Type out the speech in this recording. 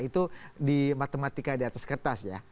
itu di matematika di atas kertas ya